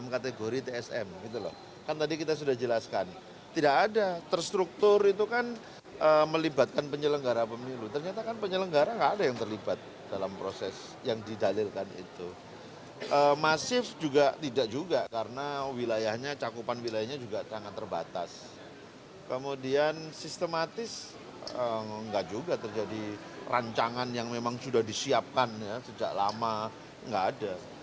pada saat ini keadaannya juga sangat terbatas kemudian sistematis enggak juga terjadi rancangan yang memang sudah disiapkan sejak lama enggak ada